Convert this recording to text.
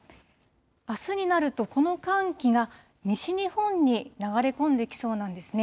あすになると、この寒気が西日本に流れ込んできそうなんですね。